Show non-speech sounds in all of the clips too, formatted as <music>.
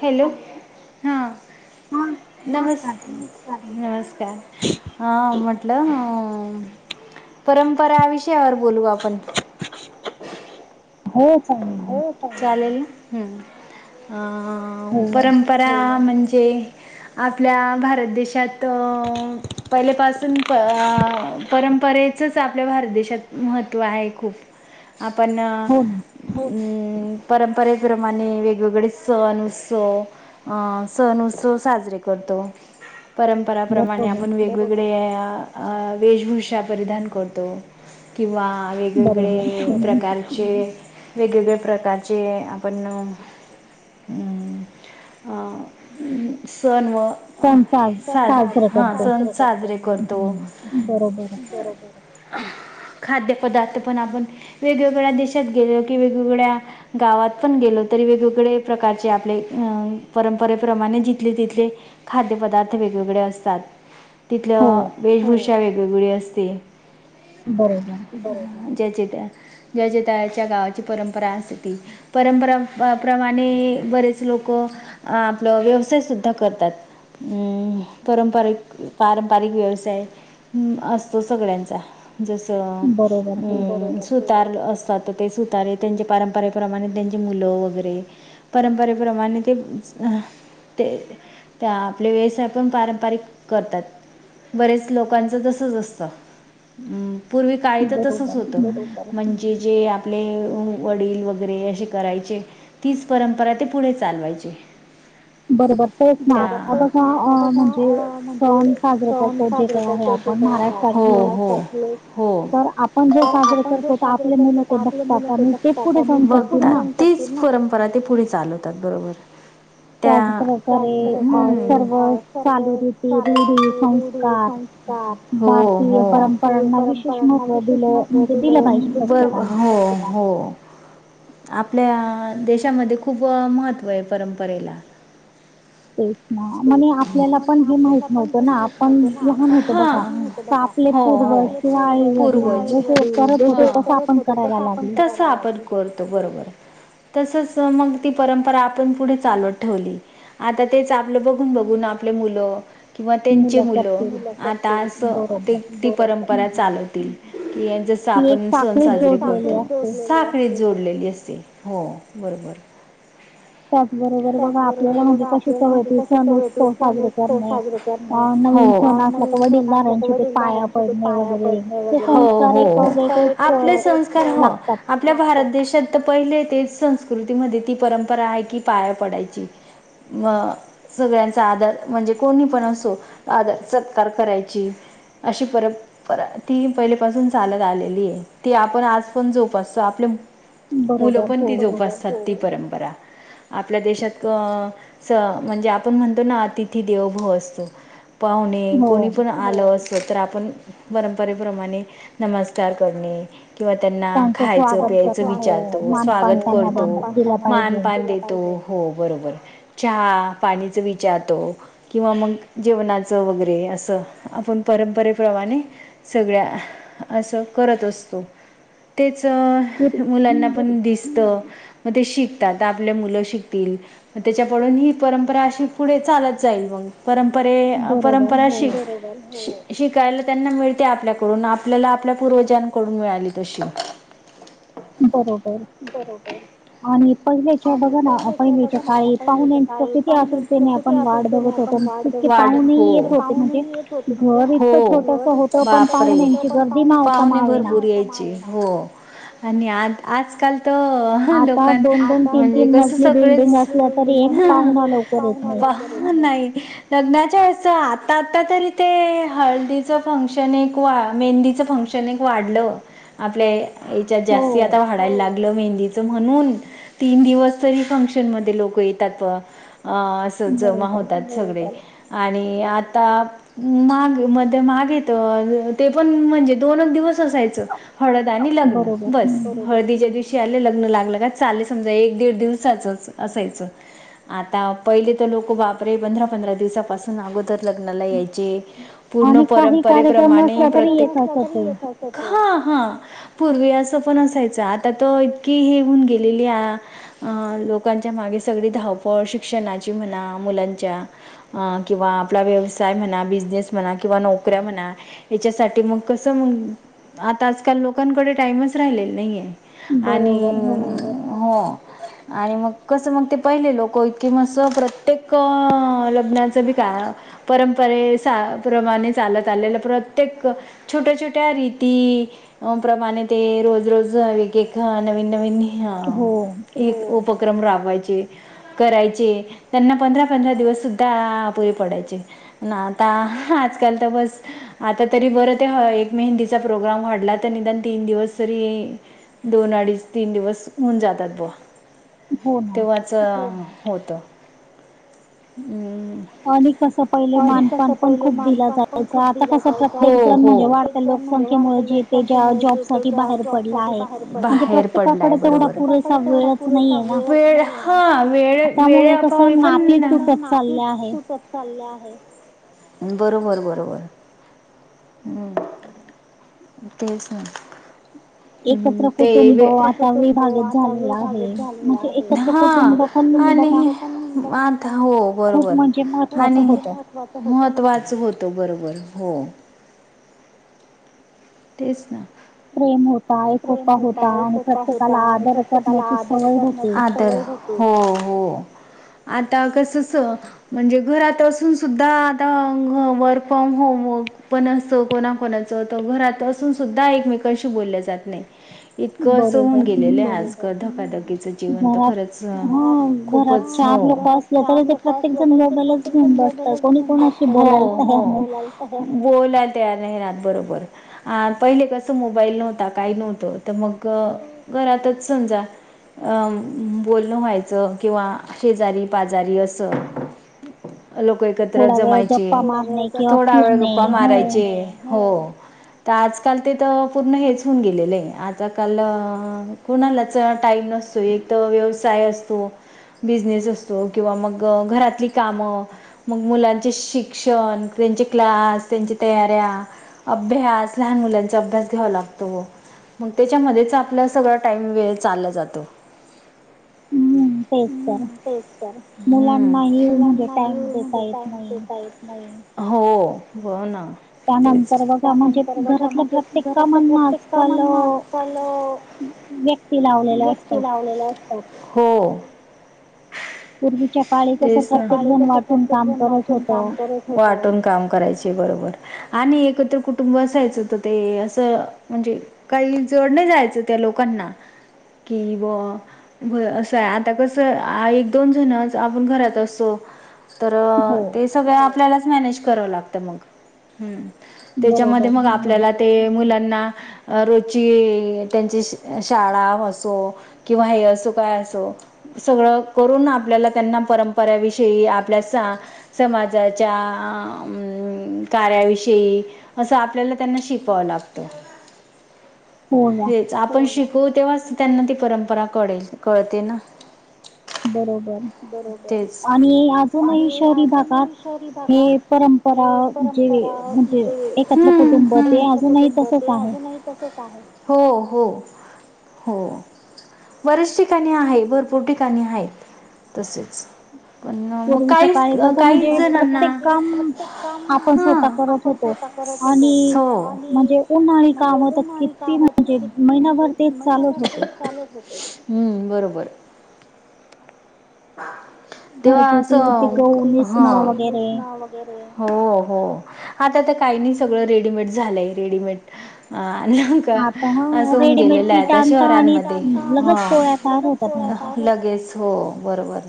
Hello हा नमस् नमस्कार हा म्हटलं अ परंपरा विषयावर बोलू आपण हो चा हो पण चालेल ना हम अ परम परा म्हणजे आपल्या भारत देशात पहिलेपासून परंपरेचच आपल्या भारत देशात महत्त्व आहे खूप आपण हम् परंपरेप्रमाणे वेगवेगळे सण उत्सव अ सण उत्सव साजरे करतो परंपराप्रमाणे आपण वेगवेग वेशभूषा परिधान करतो किंवा वेगवेगळे प्रकारचे वेगवेगळ्या प्रकारचे आपण अम अ अ सण व साज हा सण साजरे करतो खाद्य पदार्थ पण आपण वेगवेगळ्या देशात गेलो कि वेगवेगळ्या गावात पण गेलो तरी वेगवेगळे प्रकारचे आपले अ परंपरेप्रमाणे जिथले तिथले खाद्यपदार्थ वेगवेगळे असतात तिथलं वेशभूषा वेगवेगळी असते बरोबर जेची त्या जेची तयाच्या गावाची परंपरा अस ती परंपरा प्रमाणे बरेच लोक अ आपलं व्यवसाय सुद्धा करतात अम परंपारिक पारंपरिक व्यवसाय ह् असतो सगळ्यांचा जस अम् सुतार असतात ते सु त्यां परंपरेप्रमाणे त्यांचे मुलं वगैरे परंपरेप्रमाणे ते ते त्या आपले व्यवसाय पण पारंपारिक करतात बरेच लोकांच तसच असतं म पूर्वी काळी तर तसच होतं म्हणजे जे आपले वडील वगैरे असे करायचे तीच परंपरा ते पुढे चालवायची. बघ ना आता बघा अ म्हणजे सण साजरा करतो. आपण जो साजर करतो. मुतात बघतात तीच परंपरा ते पुढे चालवतात बरोबर. त्या सर्व परंपरांना विशेष महत्व दि हो हो. आपल्या देशामध्ये खूप महत्त्व आहे परंपरेला ते म्ह आपल्याला पण जे माहित नते ना आपण हा बघा. होूर्. क आपण करतो बरोबर. तसच मग ती परंपरा आपण पुढे चालवत ठेवली. आता तेच आपलं बघून बघून आपले मुलं. किंवा त्यांची मुलं आता अस. ते ती परंपरा चालवतील की जस आपण सण साजरे करतो. ाकळीत जोडलेली असते हो बरोबर. त्याचबरोबर बघा आपल्याला म्हणजे कस चवत उत् उत्सव साजर. वड दारां पाया पड. हो हो आपले संस्कार हो. आपल्या भारत देशात तर पहिले तेच संस्कृतीमध्येध्ये ती परंपरा आहे की पाया पडायची. म. सगळ्यांचा आदर म्हणजे कोणी पण असो आदर सत्कार करायची. अशी परब. पर ती पहिलेपासून चालत आलेली आहे ती आपण आज पण जोपासतो आपले. मुलं पण ती जोपासतात ती परंपरा आपल्या देशात म्हणजे आपण म्हणतो ना अतिथी देवभव असतो. पाहुणे कोणी पण आलो असत तर आपण परंपरेप्रमाणे नमस्कार करणे. किंवा त्यांना खायचं पियचं विचारतो स्वागत करतो मान पान देतो. हो बरोबर चहा पाणीच विचारतो. किंवा मग जेवणाचं वगैरे असं आपण परंपरेप्रमाणे सगळ्या असं करत असतो तेच मुलांना पण दिसत मग ते शिकतात. आपल्या मुलं शिकतील मग त्याच्या पडून ही परंपरा अशी पुढे चालत जाईल मग परंपरे परंपराशी शिकायला त्यांना मिळते आपल्याकडून आपल्याला आपल्या पूर्वजांकडून मिळाली तशी बरोबर. आणि पहिलेच्या बघा ना पहिलेच्या काळी पाहुणे किती आतुरते नाही. ण वा पाहून येत होत म्हण. बापरे पाहुणे भरपूर यायचे. हो आणि आज आजकाल तर लोकां म्हणजे कस सगळेच नाही. लग्नाच्या वेळे आता आता तरी ते हळदीचं फंक्शन आहे किंवा मेहंदीचं फंक्शन णिक वाढलं आपल्या याच्यात जास्ती आता वाडायला लागलं मेहंदीचं म्हणून तीन दिवस तरी फंक्शन मध्ये लोक येतात व असं जमा होतात सगळे. आणि आता माग मध्ये माग येत ते पण म्हणजे दोनच दिवस. ह ल हच्या दिव ल् ला. समजा एक दीड दिवसाचच असायचं. आता पहिले तर लोक बापरे पंधरा पंधरा दिवसापासून अगोदर लग्नाला यायचे पूर्ण परंपरे प्रमाणे प्रत्येक हा हा पूर्वी असं पण असायचं आता त इतकी हे होऊन गेलेली आ अ लोकांच्या मागे सगळी धावपळ शिक्षणाची म्हणा मुलांच्या किंवा आपला व्यवसाय म्हणा बिझनेस म्हणा किंवा नोकऱ्या म्हणा याच्यासाठी मग कस मग आता आजकाल लोकांकडे टाइमच राहिलेला नाहीेये आणि हो आणि मग कसं मग ते पहिले लोक इतके मस्त प्र प्रत्येक लग्नाचं बी काय परंपरे साप्रमाणे चालत आलेलं प्रत्येक छोट्या छोट्या रीती अ प्रमाणे ते रोज रोज एक एक नवीन नवीन हे अ हो. ईन उपक्रम राबवायचे करायचे त्यांना पंधरा पंधरा दिवस सुद्धा आपुरे पडायचे. ना आता आजकाल तर बस आता तरी बरं ते एक मेहंदीचा प्रोग्राम घडला तर निदान तीन दिवस तरी दोन अडीच तीन दिवस होऊन जातात बवा तेव्हा तेव्हाचं होतं हम्म. आणि तस पहिले मानकान पण खूप दिलं जायच हो हो. वाढत लोकसंख्येमुळे जॉब सा बा बाहेर पडलाय बरोबर पडलाय बरोबर. वेळ हा वेळ वेळ अभावी पण बरोबर बरोबर. हम्म तेच ना. हम्म ते हा आणि आता हो बरोबर. महत्वाच होत. महत्वाच होत बरोबर हो. तेच ना. प्रेम होता एकोपा होता आणि प्रत्येकाला आदर करण्याची सवय होती. हो हो आता कसं अस म्हणजे घरात असून सुद्धा आता वर्क फ्रॉम होमवर्क पण असत कोणा कोणा घात असून सुद्धा एकमेकांशी बोलल्या जात नाही इतकं असं होऊन गेलेलं ये आज. ज धकाधकीच जीवन तर खरंच खूपच हो. हो हो. बोला तयार नाही राहात बरोबर. अ पहिले कसं मोबाईल नव्हता काही नव्हतं तर मग घरातच समजा अं बोलणं व्हायचं किंवा शेजारी पाजारी असं लोक एक त्र जमायचे थोडा वेळ गप्पा मारायचे हो. तर आजकाल ते तर पूर्ण हेच होऊन गेलेलं आहे आजकाल तर कोणालाच टाईम नसतो एक तर व्यवसाय असतो बिझनेस असतो किंवा मग घरातली कामं मग मुलांचे शिक्षण त्यांचे क्लास त्यांच्या तयाऱ्या अभ्यास लहान मुलांचा अभ्यास घ्यावा लागतो मग त्याच्यामध्येच आपल्या सगळं टाइम वेळ चालला जातो. हम्म तेच तर मुलांना म्हणजे टाईम देता येत नाही. हो हो ना. तेच त्यानंतर बघा म्हणजे घरातल्या प्रत्येक कामांना आजकाल <unintelligible> हो. ते सकाळी कस प्रत्येक जण वाचून काम करत वाटून काम करायचे बरोबर आणि एकत्र कुटुंब असायचंत ते असं म्हणजे काही जड नाही जायचं त्या लोकांना कि ब ब असं आहे आता कस एक दोन जण आपण घरात असतो तर ते सगळं आपल्यालाच मॅनेज करावं लागतं मग हम्म त्याच्यामध्ये मग आपल्याला ते मुलांना रोज त्यां शाळा असो किंवा हे असं काय असो सगळं करून आपल्याला त्यांना परंपऱ्याविषयी आपल्याचा समाजाच्या कार्याविषयी. असं आपल्याला त्यांना शिकवावं लागतं. हो ना आपण शिकू तेव्हाच त्यांना ती परंपरा कळेल कळते ना. बरोबर. बरच आणि अजूनही नाही शहरी भागात हे. परंपरा जे आपलं कुटुंब ते अजूनही. तसच आहे हो हो. हो बर्याच ठिकाणी आहे भरपूर ठिकाणी आहेत तसेच. मग काहीच काही जणांना. आणि हा आपण स्वतः करत होतो हो म्हणजे त. काम तर किती हो. हम्म बरोबर. तेव्हा असं हा. हो हो आता तर काही नाही सगळं रेडीमेड झालंय रेडीमेड. अ आणि न का असं होऊन गेले. शहरांमध्ये हा. लगेच हो बरोबर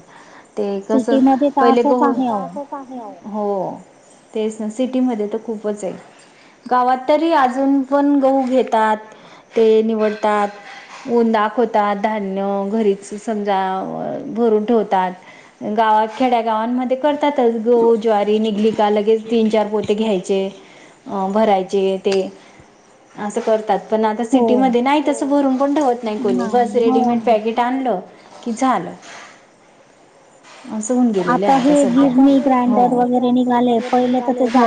ते कस पहिले गहू. हो तेच ना सिटी मध्ये तर खूपच आहे. गावात तरी अजून पण गहू घेतात ते निवडतात. उन दाखतात होतात धान्य घरीच समजा भरून ठेवतात. गावात खेड्या गावांमध्ये करतातच गो ज्वारी निघल का लगेच तीन चार पोते घ्यायचे. अ भरायचे ते असं करतात. पण आता सिटीमध्ये नाही तसं भरून पण ठेवत नाही कोणी बस रेडीमेड पॅकेट. ते आणलं की झालं. अस होन गेलेले आता सध्या ग्रांडर वगैरे निघाले. हो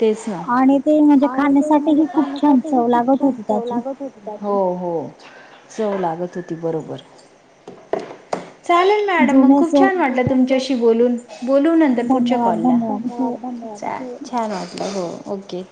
तेच ना. आणि ते म्हणजे खाण्यासाठी ह खूप छान चव लागत होती त्याची. हो हो चव लागत होती बरोबर. चालेल मॅडम मग खूप छान वाटलं तुमच्याशी बोलून. बोलू नंतरपूरच्या कॉल ला धन्यवाद धन्यवाद छान वाटलं हो ओके.